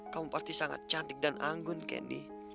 kamu pasti sangat cantik dan anggun candy